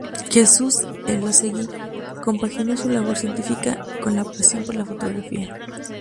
Jesús Elósegui compaginó su labor científica con la pasión por la fotografía.